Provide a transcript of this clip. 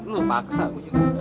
lo paksa gue juga